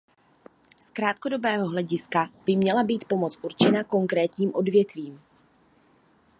Z krátkodobého hlediska by měla být pomoc určena konkrétním odvětvím.